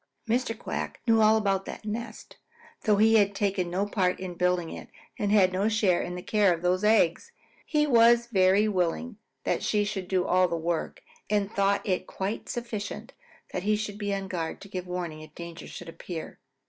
Mr. Quack knew all about that nest, though he had taken no part in building it and had no share in the care of those eggs. He was very willing that she should do all the work and thought it quite sufficient that he should be on guard to give warning if danger should appear.